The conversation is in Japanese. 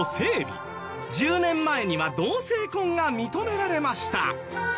１０年前には同性婚が認められました。